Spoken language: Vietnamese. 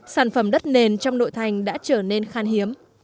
sản phẩm đất nền trong nội thành đã trở nên khan hiếm